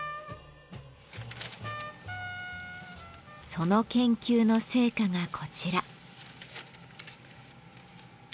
その研究の成果がこちら。